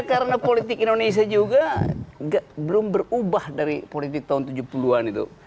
karena politik indonesia juga belum berubah dari politik tahun tujuh puluh an itu